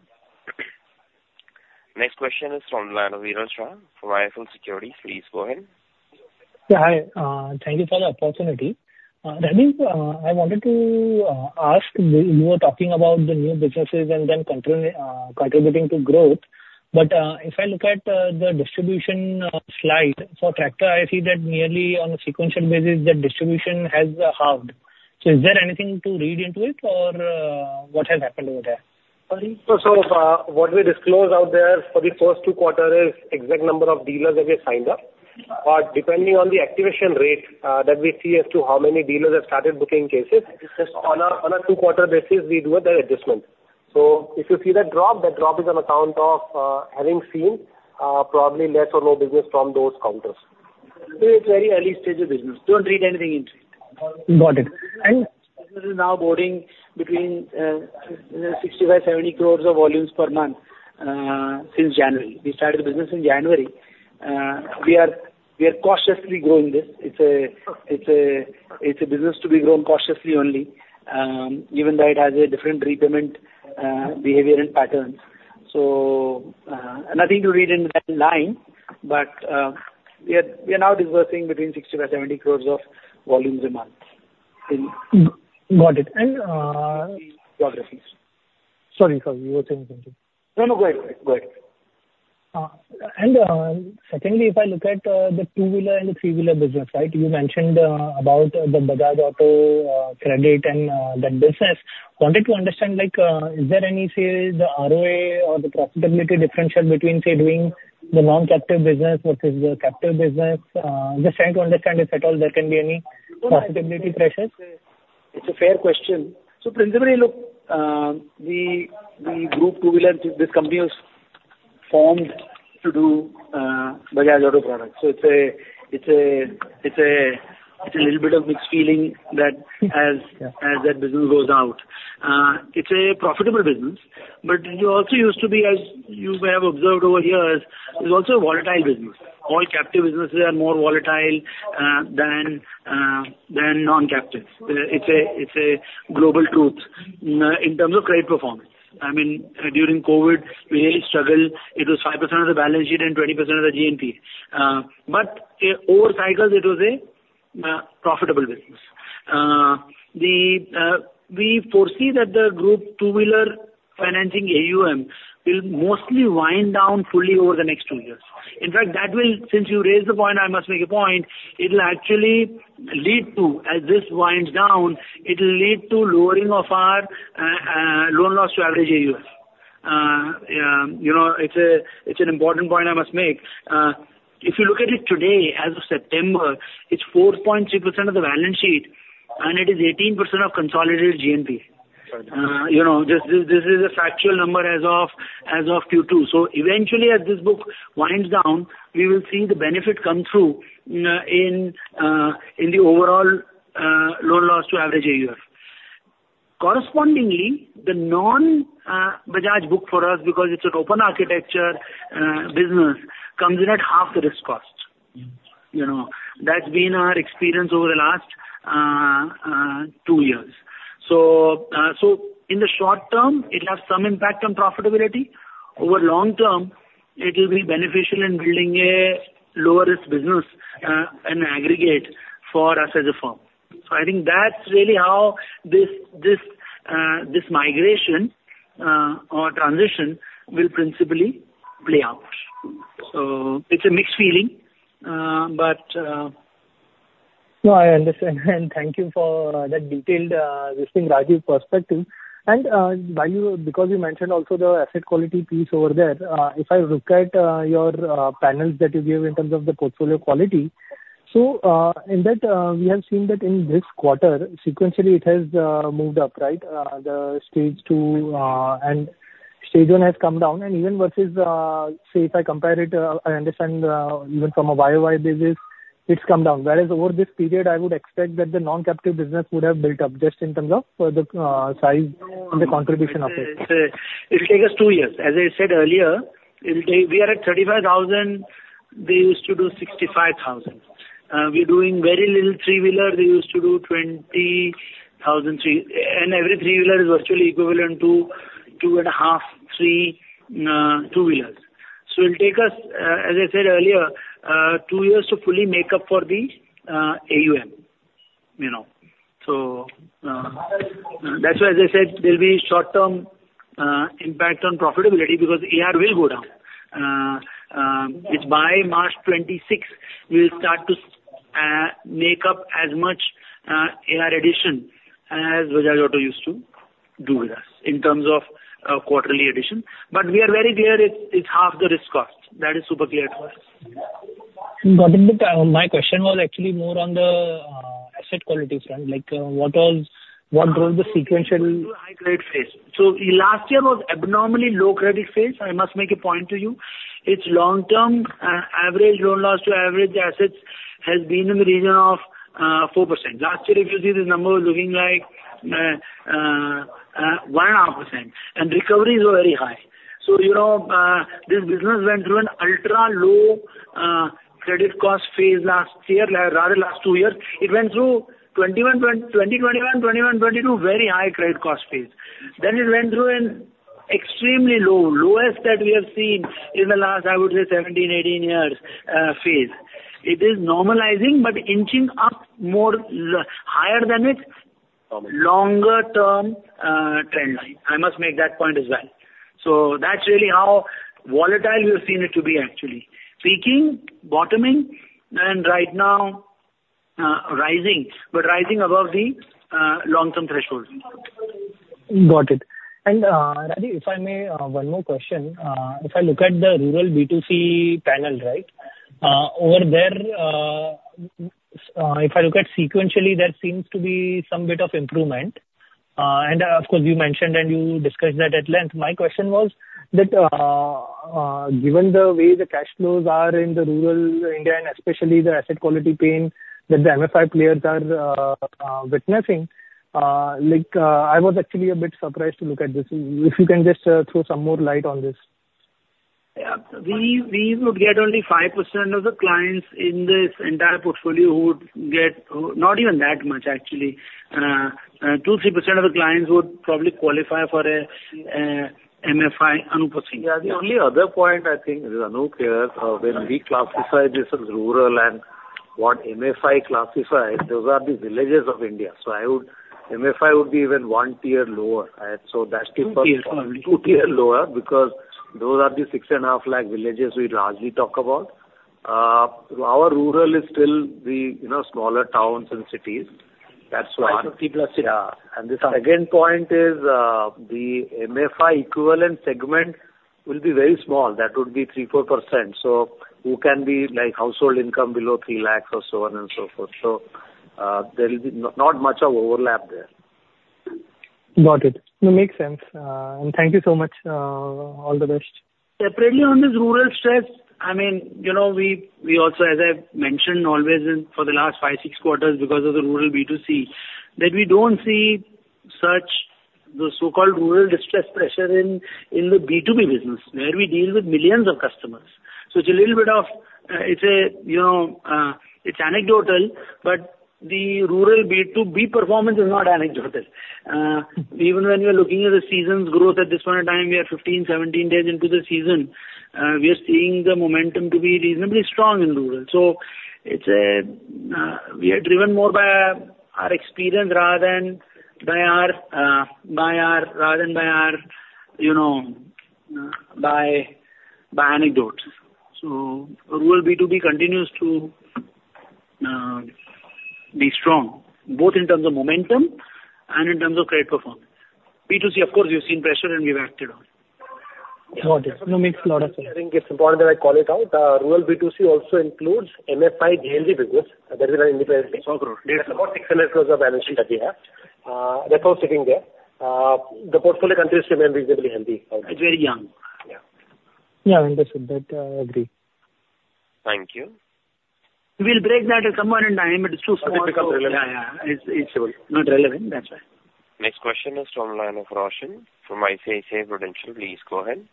Next question is from Viral Shah, from IIFL Securities. Please go ahead. Yeah, hi. Thank you for the opportunity. Rajeev, I wanted to ask you. You were talking about the new businesses and then contributing to growth, but if I look at the distribution slide for Tractor, I see that nearly on a sequential basis, the distribution has halved, so is there anything to read into it, or what has happened over there? So, what we disclose out there for the first two quarter is exact number of dealers that we have signed up. But depending on the activation rate, that we see as to how many dealers have started booking cases, on a two-quarter basis, we do the adjustment. So if you see that drop, that drop is on account of having seen probably less or no business from those counters. So it's very early stage of business. Don't read anything into it. This is now onboarding between 65 to 70 crores of volumes per month since January. We started the business in January. We are cautiously growing this. It's a business to be grown cautiously only, even though it has a different repayment behavior and pattern. Nothing to read in that line, but we are now disbursing between 65 to 70 crores of volumes a month in. Got it. And, Sorry. Sorry, you were saying something. No, no. Go ahead. Go ahead. And, secondly, if I look at the two-wheeler and the three-wheeler business, right? You mentioned about the Bajaj Auto Credit and that business. Wanted to understand, like, is there any, say, the ROA or the profitability differential between, say, doing the non-captive business versus the captive business? Just trying to understand if at all there can be any profitability pressures. It's a fair question. So principally, look, we, the group two-wheeler, this company was formed to do, Bajaj Auto products. So it's a little bit of mixed feeling that as- Yeah. As that business goes out. It's a profitable business, but it also used to be, as you may have observed over years, it's also a volatile business. All captive businesses are more volatile than non-captive. It's a global truth in terms of credit performance. I mean, during COVID, we really struggled. It was 5% of the balance sheet and 20% of the GNPA. But over cycles, it was a profitable business. We foresee that the group two-wheeler financing AUM will mostly wind down fully over the next two years. In fact, that will. Since you raised the point, I must make a point. It will actually lead to, as this winds down, it will lead to lowering of our loan loss to average AUM. you know, it's an important point I must make. If you look at it today, as of September, it's 4.3% of the balance sheet, and it is 18% of consolidated GNPA. Right. You know, this is a factual number as of Q2. So eventually, as this book winds down, we will see the benefit come through in the overall loan loss to average AUM. Correspondingly, the non-Bajaj book for us, because it's an open architecture business, comes in at half the risk cost. You know, that's been our experience over the last two years. So in the short term, it'll have some impact on profitability. Over long term, it will be beneficial in building a lower risk business in aggregate for us as a firm. So I think that's really how this migration or transition will principally play out. So it's a mixed feeling, but. No, I understand, and thank you for that detailed listing Rajeev's perspective. And, because you mentioned also the asset quality piece over there, if I look at your panels that you gave in terms of the portfolio quality, so, in that, we have seen that in this quarter, sequentially, it has moved up, right? The Stage Two and Stage One has come down. And even versus, say if I compare it, I understand, even from a YOY basis, it's come down. Whereas over this period, I would expect that the non-captive business would have built up, just in terms of the size and the contribution of it. It'll take us two years. As I said earlier, it'll take. We are at 35,000. We used to do 65,000. We're doing very little three-wheeler. We used to do twenty thousand three, and every three-wheeler is virtually equivalent to two and a half, three, two-wheelers. So it'll take us, as I said earlier, two years to fully make up for the, AUM, you know. So, that's why, as I said, there'll be short-term, impact on profitability because AR will go down. It's by March 2026, we'll start to, make up as much, AR addition as Bajaj Auto used to do with us in terms of, quarterly addition. But we are very clear it's, it's half the risk cost. That is super clear to us. Got it. But, my question was actually more on the, asset quality front. Like, what was the sequential- High credit phase. Last year was abnormally low credit phase. I must make a point to you. Its long-term average loan loss to average assets has been in the region of 4%. Last year, if you see, this number was looking like 1.5%, and recoveries were very high. You know, this business went through an ultra-low credit cost phase last year, rather last two years. It went through 2021, 2022, very high credit cost phase. Then it went through an extremely low, lowest that we have seen in the last, I would say, 17, 18 years phase. It is normalizing but inching up more higher than its longer-term trend line. I must make that point as well. That's really how volatile we have seen it to be actually. Peaking, bottoming, and right now, rising, but rising above the long-term threshold. Got it. And, Rajeev, if I may, one more question. If I look at the Rural B2C panel, right? Over there, if I look at sequentially, there seems to be some bit of improvement. And, of course, you mentioned and you discussed that at length. My question was that, given the way the cash flows are in the rural India, and especially the asset quality pain that the MFI players are witnessing, like, I was actually a bit surprised to look at this. If you can just throw some more light on this? Yeah. We would get only 5% of the clients in this entire portfolio who would get. Not even that much actually. 2% to 3% of the clients would probably qualify for a MFI, Anup Saha. Yeah, the only other point I think, Anup, when we classify this as rural and what MFI classify, those are the villages of India. So I would, MFI would be even one tier lower. And so that's. Two tier lower. Two tier lower, because those are the six and a half lakh villages we largely talk about. Our rural is still the, you know, smaller towns and cities. That's one. 550-plus cities. Yeah. And the second point is, the MFI equivalent segment will be very small. That would be 3-4%. So, who can be like household income below three lakhs or so on and so forth. So, there will be not much of overlap there. Got it. No, makes sense. And thank you so much. All the best. Separately on this rural stress, I mean, you know, we also, as I've mentioned always in, for the last 5-6 quarters because of the Rural B2C, that we don't see such the so-called rural distress pressure in the B2B business, where we deal with millions of customers. So it's a little bit of, you know, it's anecdotal, but the rural B2B performance is not anecdotal. Even when you're looking at the season's growth at this point in time, we are 15-17 days into the season, we are seeing the momentum to be reasonably strong in rural. So it's a, we are driven more by our experience rather than by our, you know, by anecdotes. So rural B2B continues to be strong, both in terms of momentum and in terms of credit performance. B2C, of course, we've seen pressure and we've acted on it. Got it. No, makes a lot of sense. I think it's important that I call it out. Rural B2C also includes MFI JLG business. That is run independently. So true. There's about 600 crores of balance sheet that we have, therefore, sitting there. The portfolio continues to remain reasonably healthy. It's very young. Yeah. Yeah, understood that. Agree. Thank you. We'll break that some other time, but it's too small. It become relevant. Yeah, it's not relevant. That's right. Next question is from the line of Roshan, from ICICI Prudential. Please go ahead.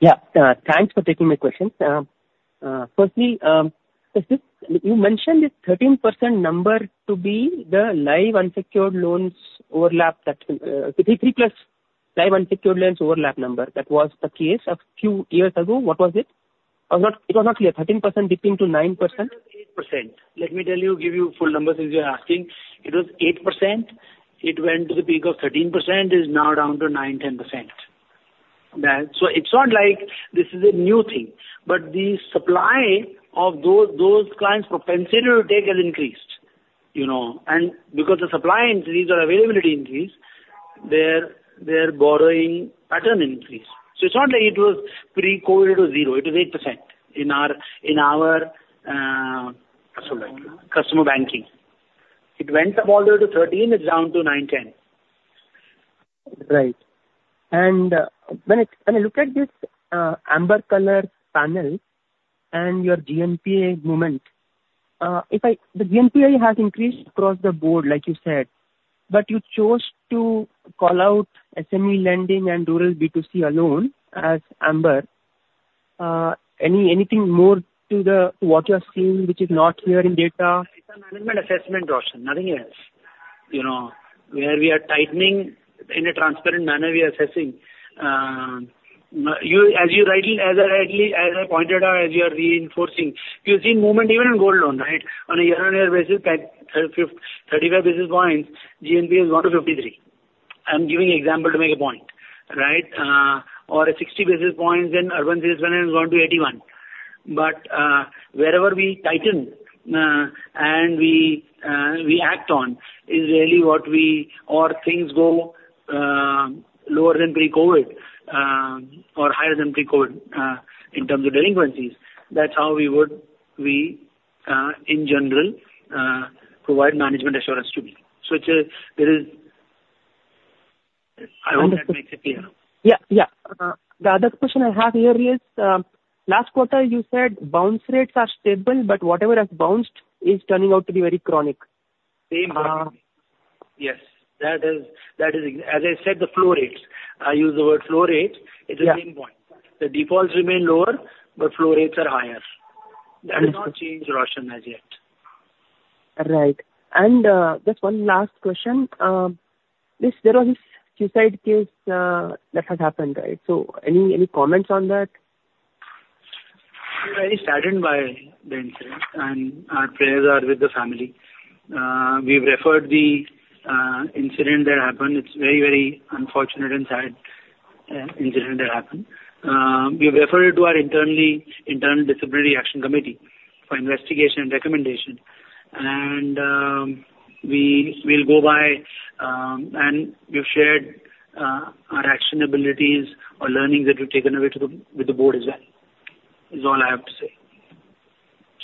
Yeah, thanks for taking my question. Firstly, you mentioned this 13% number to be the live unsecured loans overlap that three plus live unsecured loans overlap number. That was the case a few years ago. What was it? It was not clear. 13% dipping to 9%. 8%. Let me tell you, give you full numbers, since you're asking. It was 8%, it went to the peak of 13%, is now down to 9% to 10%. That. So it's not like this is a new thing, but the supply of those clients' propensity to take has increased, you know, and because the supply increases or availability increase, their borrowing pattern increase. So it's not like it was pre-COVID it was zero, it is 8% in our. Customer banking. Customer banking. It went up all the way to thirteen. It's down to nine, ten. Right. And when I look at this amber color panel and your GNPA moment, if I. The GNPA has increased across the board, like you said, but you chose to call out SME lending and Rural B2C alone as amber. Anything more to what you are seeing, which is not here in data? It's a management assessment, Roshan, nothing else. You know, where we are tightening in a transparent manner, we are assessing. You, as you rightly, as I rightly, as I pointed out, as you are reinforcing, you're seeing movement even in gold loan, right? On a year-on-year basis, like, 35 basis points, GNPA has gone to 53. I'm giving an example to make a point, right? Or a 60 basis points, then urban sales finance has gone to 81. But, wherever we tighten, and we act on, is really what we or things go, lower than pre-COVID, or higher than pre-COVID, in terms of delinquencies. That's how we would, we, in general, provide management assurance to you. So it's a, there is- Understood. I hope that makes it clear. Yeah, yeah. The other question I have here is, last quarter you said bounce rates are stable, but whatever has bounced is turning out to be very chronic. Same, yes, that is. As I said, the flow rates, I use the word flow rates. Yeah. It's the same point. The defaults remain lower, but flow rates are higher. That has not changed, Roshan, as yet. Right. And, just one last question. This, there was this suicide case, that had happened, right? So any comments on that? We're very saddened by the incident, and our prayers are with the family. We've referred the incident that happened. It's very, very unfortunate and sad incident that happened. We've referred it to our internal disciplinary action committee for investigation and recommendation. We'll go by, and we've shared our actionabilities or learnings that we've taken away with the board as well. This is all I have to say.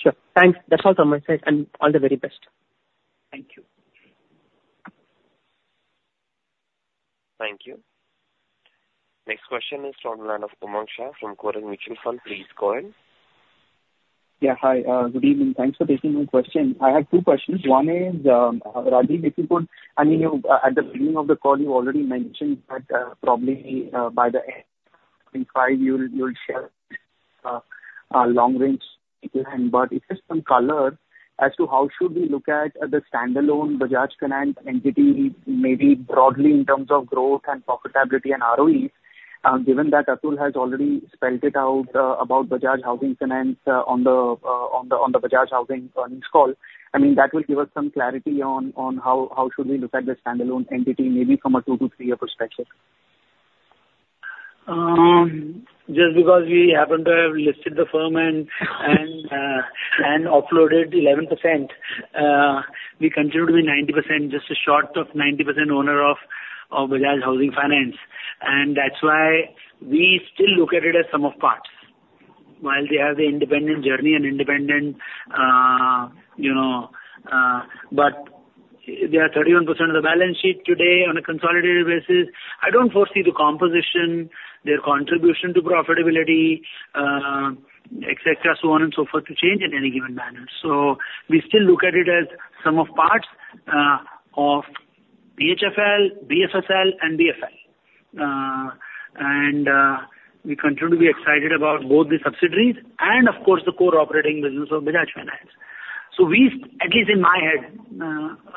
Sure. Thanks. That's all from my side, and all the very best. Thank you. Thank you. Next question is from the line of Umang Shah from Kotak Mutual Fund. Please go ahead. Yeah, hi. Good evening. Thanks for taking my question. I have two questions. One is, Rajeev, if you could, I mean, you, at the beginning of the call, you already mentioned that, probably, by the end of twenty five, you'll share, a long-range vision. But if there's some color as to how should we look at the standalone Bajaj Finance entity, maybe broadly in terms of growth and profitability and ROE, given that Atul has already spelled it out, about Bajaj Housing Finance, on the Bajaj Housing earnings call. I mean, that will give us some clarity on how should we look at the standalone entity, maybe from a two to three-year perspective. Just because we happen to have listed the firm and offloaded 11%, we continue to be 90%, just short of 90% owner of Bajaj Housing Finance. That's why we still look at it as sum of parts. While they have an independent journey and independent, you know, but they are 31% of the balance sheet today on a consolidated basis. I don't foresee the composition, their contribution to profitability, et cetera, so on and so forth, to change in any given manner. We still look at it as sum of parts of BHFL, BFSL, and BFL. We continue to be excited about both the subsidiaries and, of course, the core operating business of Bajaj Finance. So we, at least in my head,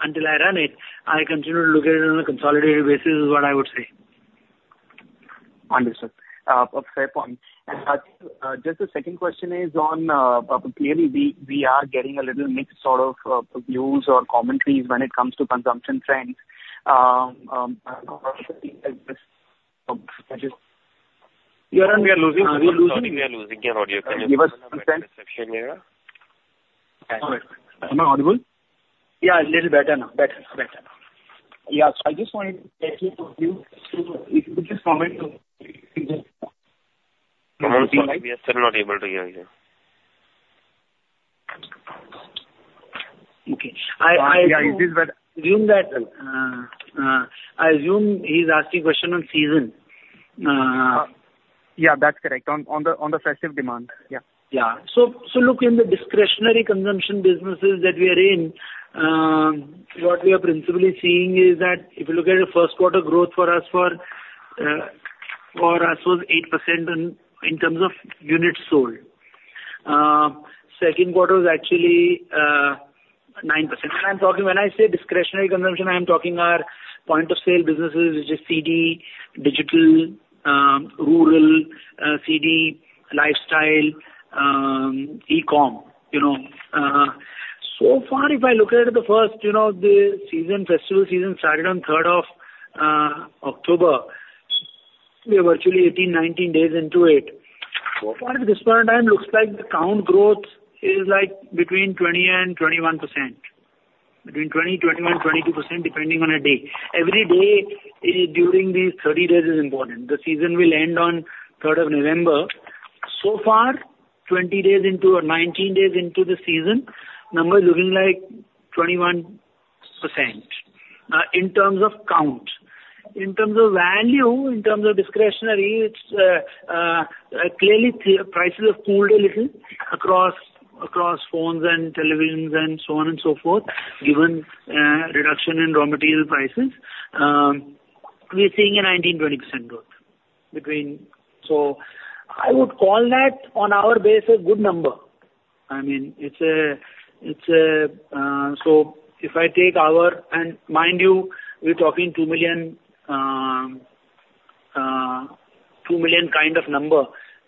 until I run it, I continue to look at it on a consolidated basis, is what I would say. Understood. Fair point. And just the second question is on clearly we are getting a little mixed sort of views or commentaries when it comes to consumption trends. We are losing you. We are losing your audio. Give us some time. Reception error. Am I audible? Yeah, a little better now. Better, better now. Yeah. So, I just wanted to thank you for you. So, if you could just comment on this. We are still not able to hear you. Okay. Yeah, it is better. I assume he's asking a question on season. Yeah, that's correct. On the festive demand. Yeah. Yeah. So look, in the discretionary consumption businesses that we are in, what we are principally seeing is that if you look at the first quarter growth for us was 8% in terms of units sold. Second quarter was actually 9%. When I say discretionary consumption, I am talking our point-of-sale businesses, which is CD, Digital, rural, CD, Lifestyle, e-com, you know. So far, if I look at the first, the season, festival season started on third of October. We are virtually 18-19 days into it. So far, at this point in time, looks like the count growth is, like, between 20% and 21%. Between 20% to 22%, depending on a day. Every day during these 30 days is important. The season will end on third of November. So far, 20 days into or 19 days into the season, numbers looking like 21% in terms of count. In terms of value, in terms of discretionary, it's clearly prices have cooled a little across phones and televisions and so on and so forth, given reduction in raw material prices. We're seeing a 19% to 20% growth between. So I would call that, on our base, a good number. I mean, it's a, it's a, so if I take our. Mind you, we're talking 2 million, 2 million kind of number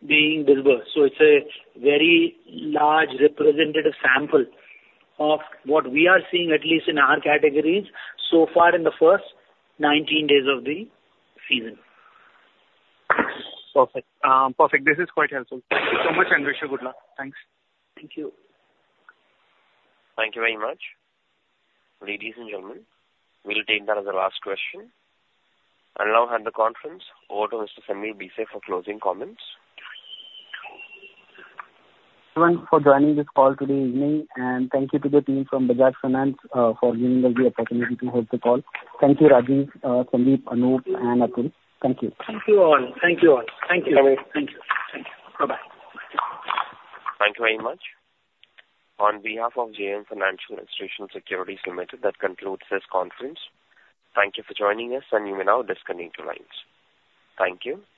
being delivered. So it's a very large representative sample of what we are seeing, at least in our categories, so far in the first 19 days of the season. Perfect. Perfect. This is quite helpful. Thank you so much, and wish you good luck. Thanks. Thank you. Thank you very much. Ladies and gentlemen, we'll take that as the last question. I'll now hand the conference over to Mr. Sameer Bhise for closing comments. Thank you for joining this call today evening, and thank you to the team from Bajaj Finance for giving us the opportunity to host the call. Thank you, Rajeev, Sandeep, Anup, and Atul. Thank you. Thank you, all. Thank you, all. Thank you. Thank you. Thank you. Bye-bye. Thank you very much. On behalf of JM Financial Institutional Securities Limited, that concludes this conference. Thank you for joining us, and you may now disconnect your lines. Thank you.